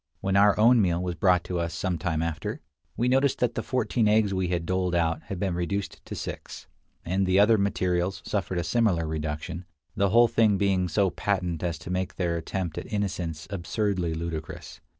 When our own meal was brought to us some time after, we noticed that the fourteen eggs we had doled out had been reduced to six; and the other materials suffered a similar reduction, the whole thing being so patent as to make their attempt at innocence absurdly ludicrous.